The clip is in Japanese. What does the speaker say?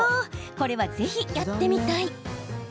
これはぜひ、やってみたい。